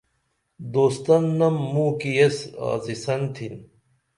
دوستن نم موکی ایس آڅیسن تِھن